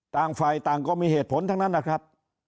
ต่างฝ่ายต่างก็มีเหตุผลทั้งนั้นนะครับ